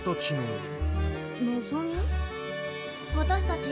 私たち。